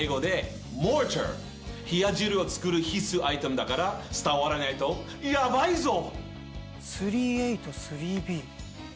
冷や汁を作る必須アイテムだから伝わらないとヤバいぞ！